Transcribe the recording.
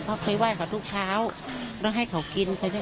เพราะเคยไหว้เขาทุกเช้าต้องให้เขากิน